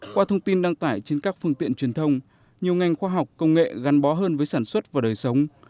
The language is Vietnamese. qua thông tin đăng tải trên các phương tiện truyền thông nhiều ngành khoa học công nghệ gắn bó hơn với sản xuất và đời sống